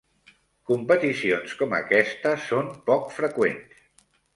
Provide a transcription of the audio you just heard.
Competicions com aquesta són poc freqüents.